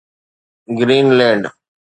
green land